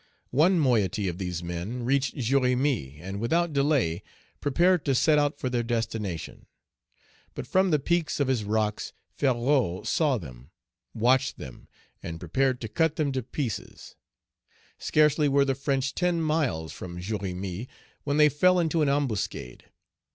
One moiety of these men reached Jérémie and without delay prepared to set out for their destination. But from the peaks of his rocks Ferrou saw them, watched them, and prepared to cut them to pieces. Scarcely were the French ten miles from Jérémie, when they fell into an ambuscade.